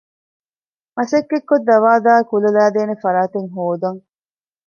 މަސައްކަތްކޮށް ދަވާދާއި ކުލަ ލައިދޭނެ ފަރާތެއް ހޯދަން